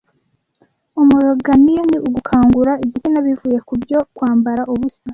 Omolagnia ni ugukangura igitsina bivuye kubyo Kwambara ubusa